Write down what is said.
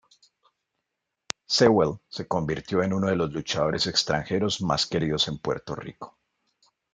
Sewell se convirtió en uno de los luchadores extranjeros más queridos en Puerto Rico.